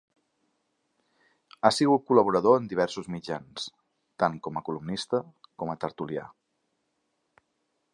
Ha sigut col·laborador en diversos mitjans, tant com a columnista com a tertulià.